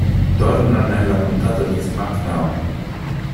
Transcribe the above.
Torna nella puntata di SmackDown!